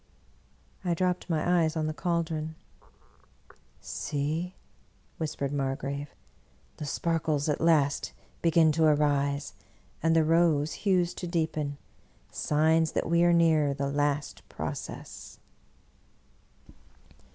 I dropped my eyes on the caldron. " See," whispered Margrave, " the sparkles at last begin to arise, and the rose hues to deepen — signs that we near the last process."